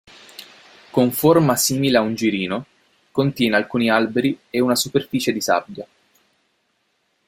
Con forma simile a un girino, contiene alcuni alberi e una superficie di sabbia.